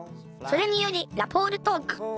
それによりラポールトーク